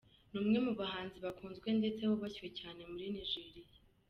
Ni umwe mu bahanzi bakunzwe ndetse bubashywe cyane muri Nigeria.